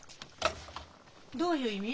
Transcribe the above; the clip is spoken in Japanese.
どういう意味？